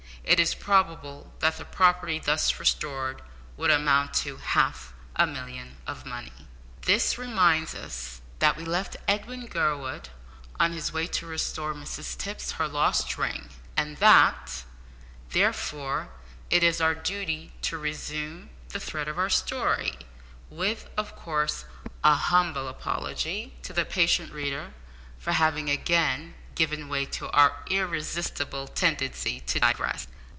It is probable that the property thus restored would amount to half a million of money. This reminds us that we left Edwin Gurwood on his way to restore Mrs Tipps her lost ring, and that, therefore, it is our duty to resume the thread of our story, with, of course, a humble apology to the patient reader for having again given way to our irresistible tendency to digress!